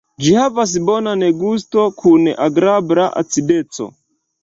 Ĝi havas bonan gusto kun agrabla acideco.